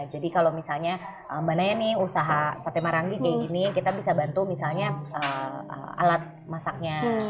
jadi kalau misalnya mbak naya nih usaha sate marangi kayak gini kita bisa bantu misalnya alat masaknya